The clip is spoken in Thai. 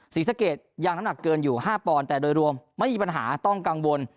ศรีสะเกดยังน้ำหนักเกินอยู่๕ปอนด์แต่โดยรวมไม่มีปัญหาต้องกังวล